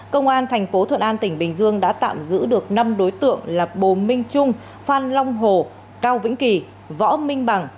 công an thành phố thuận an tỉnh bình dương đã tạm giữ được năm đối tượng là bồ minh trung phan long hồ cao vĩnh kỳ võ minh bằng